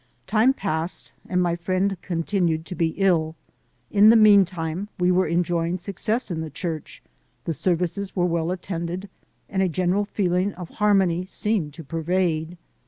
Time passed and my friend continued to be ill. In the meantime, we were enjoying success in the church, the services were well attended and a general feeling of harmony seemed to pervade.